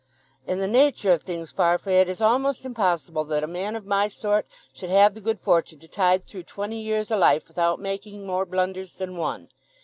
"In the nature of things, Farfrae, it is almost impossible that a man of my sort should have the good fortune to tide through twenty years o' life without making more blunders than one.